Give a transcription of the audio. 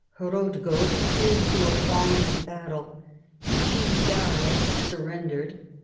Hrodgaud seems to have fallen in battle. Cividale surrendered.